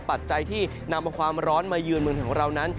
ปัจจัยที่นำเอาความร้อนมายืนเมืองของเรานั้น